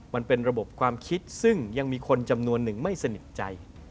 มันเป็นระบบความคิดซึ่งยังมีคนจำนวนหนึ่งไม่สนิทใจ